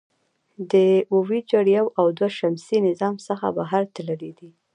د وویجر یو او دوه د شمسي نظام څخه بهر تللي دي.